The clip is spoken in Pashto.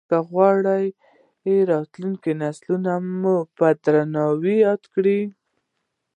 که غواړې راتلونکي نسلونه مو په درناوي ياد کړي.